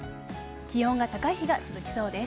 気温が高い日が続きそうです。